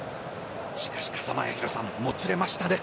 しかし風間八宏さん、もつれましたね。